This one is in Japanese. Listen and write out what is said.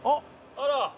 あら！